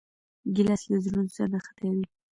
ګیلاس له زړونو سره نښتي وي.